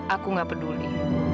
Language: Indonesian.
aku gak peduli